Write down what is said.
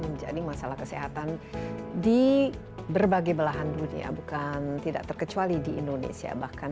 menjadi masalah kesehatan di berbagai belahan dunia bukan tidak terkecuali di indonesia bahkan